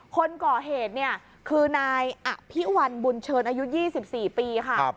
คนก่อเหตุเนี่ยคือนายอภิวัลบุญเชิญอายุ๒๔ปีค่ะ